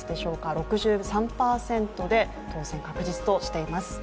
６３％で当選確実としています。